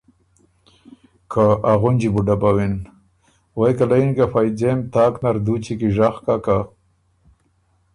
که ا غُنجی بو ډبَوِن، غوېکه له یِن که فئ ځېم تاک نر دُوچی کی ژغ کۀ